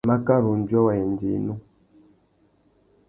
Makâ râ undjuê wa yêndzê yinú.